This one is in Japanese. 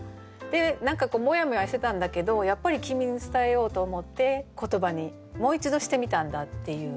で何かこうモヤモヤしてたんだけどやっぱり君に伝えようと思って言葉にもう一度してみたんだっていう。